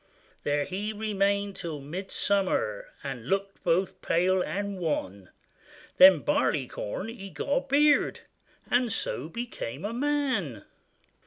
There he remained till Midsummer, And looked both pale and wan; Then Barleycorn he got a beard, And so became a man.